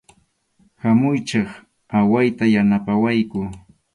Hamuychik, awayta yanapawayku.